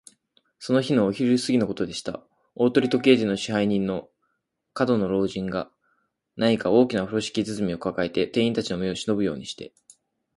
その日のお昼すぎのことでした。大鳥時計店の支配人の門野老人が、何か大きなふろしき包みをかかえて、店員たちの目をしのぶようにして、